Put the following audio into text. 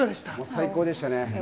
最高でしたね。